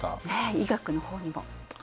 医学のほうにも。